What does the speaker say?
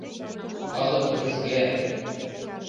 Калык рӱжга.